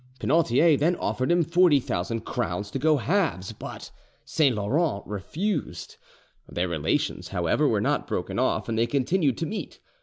Penautier then offered him 40,000 crowns to go halves, but Saint Laurent refused. Their relations, however, were not broken off, and they continued to meet.